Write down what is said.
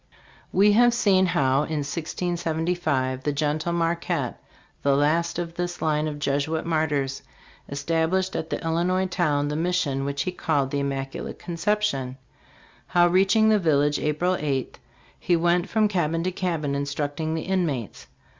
We have seen how, in 1675, the gentle Marquette, the last of this line of Jesuit martyrs, established at the Illinois town the mission which he called the "Immaculate Conception"; how, reaching the village, April 8, he went from cabin to cabin instructing the inmates.